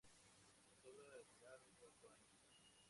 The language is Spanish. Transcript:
Las obras duraron cuatro años.